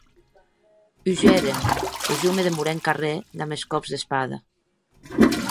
Hugeren, e jo me demorè en carrèr damb es còps d'espada.